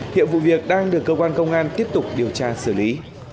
hiện vụ việc đang được cơ quan công an tiếp tục điều tra xử lý